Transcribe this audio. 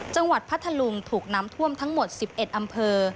พัทธลุงถูกน้ำท่วมทั้งหมด๑๑อำเภอ